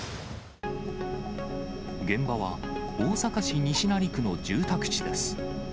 現場は、大阪市西成区の住宅地です。